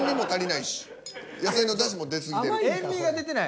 塩味が出てない。